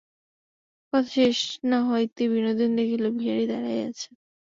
কথা শেষ না হইতেই বিনোদিনী দেখিল, বিহারী দাঁড়াইয়া আছে।